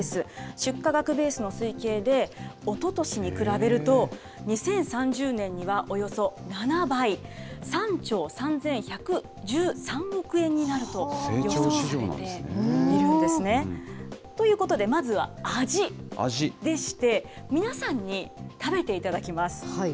出荷額ベースの推計でおととしに比べると、２０３０年にはおよそ７倍、３兆３１１３億円になると予測されているんですね。ということでまずは味でして、皆さんに食べていただきます。